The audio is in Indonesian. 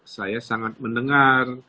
saya sangat mendengar